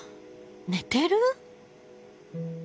寝てる？